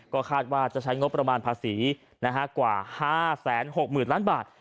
ก็คาดว่าจะใช้งบประมาณภาษีกว่า๕๖๐๐๐ล้านบาท